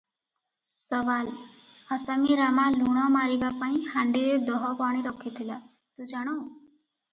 ସୱାଲ - ଆସାମୀ ରାମା ଲୁଣ ମାରିବା ପାଇଁ ହାଣ୍ଡିରେ ଦହପାଣି ରଖିଥିଲା, ତୁ ଜାଣୁ?